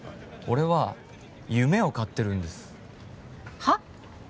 俺は夢を買ってるんですは？